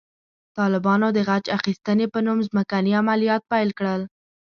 طالبانو د غچ اخیستنې په نوم ځمکني عملیات پیل کړل.